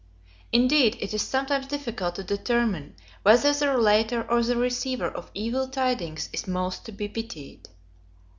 Indeed it is sometimes difficult to determine, whether the relator or the receiver of evil tidings is most to be pitied.